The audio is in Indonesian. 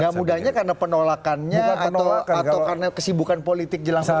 gak mudahnya karena penolakannya atau karena kesibukan politik jelang pemilu